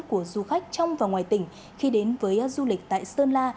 của du khách trong và ngoài tỉnh khi đến với du lịch tại sơn la